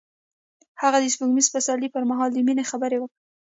هغه د سپوږمیز پسرلی پر مهال د مینې خبرې وکړې.